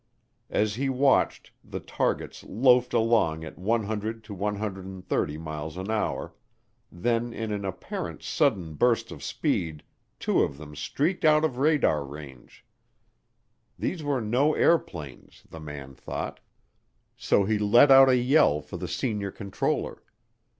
As he watched, the targets loafed along at 100 to 130 miles an hour; then in an apparent sudden burst of speed two of them streaked out of radar range. These were no airplanes, the man thought, so he let out a yell for the senior controller.